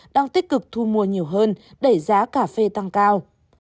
đang tích cực thu mua nhiều hơn đẩy giá cà phê tăng cao